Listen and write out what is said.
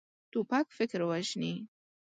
توپک فکر وژني.